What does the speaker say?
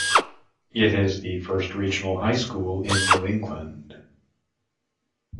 It is the first regional high school in New England.